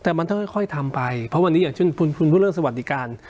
แต่มันต้องค่อยทำไปเพราะวันนี้อย่างเช่นคุณพูดเรื่องสวัสดิการ